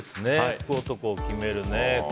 福男を決めるね。